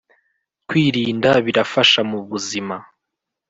kwirinda birafasha mubuzima